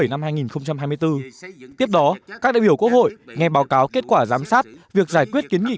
năm hai nghìn hai mươi bốn tiếp đó các đại biểu quốc hội nghe báo cáo kết quả giám sát việc giải quyết kiến nghị